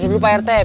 ya udah mending